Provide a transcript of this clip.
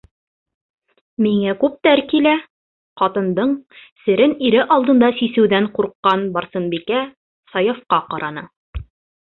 Миңә күптәр килә, - ҡатындың серен ире алдында сисеүҙән ҡурҡҡан Барсынбикә Саяфҡа ҡараны.